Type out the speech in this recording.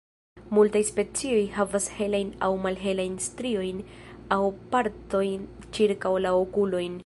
Multaj specioj havas helajn aŭ malhelajn striojn aŭ partojn ĉirkaŭ la okulojn.